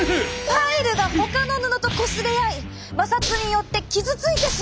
パイルがほかの布とこすれ合い摩擦によって傷ついてしまうんです。